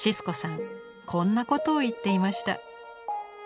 こんなことを言っていました。